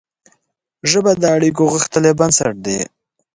ژبه د اړیکو غښتلی بنسټ دی